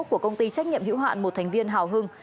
của công ty trách nhiệm hữu hạn một thành viên hào hưng